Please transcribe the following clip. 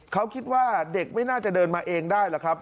เขาคิดว่าเด็กไม่น่าจะเดินมาเองได้หรอกครับ